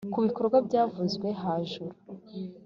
ku bikorwa byavuzwe hajuru